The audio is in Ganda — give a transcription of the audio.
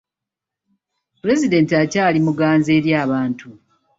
Pulezidenti akyali muganzi eri abantu.